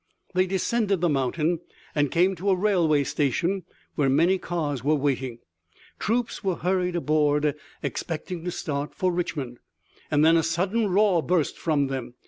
They descended the mountains and came to a railway station, where many cars were waiting. Troops were hurried aboard expecting to start for Richmond, and then a sudden roar burst from them.